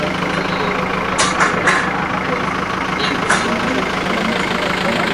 Desturi za Wanyambo ziko hatarini kutoweka ikiwa ni pamoja na ngoma za asili